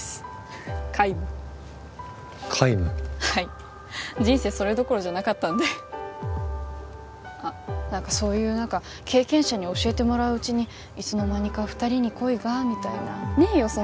はい人生それどころじゃなかったんであっ何かそういう何か経験者に教えてもらううちにいつの間にか二人に恋がみたいなねえよ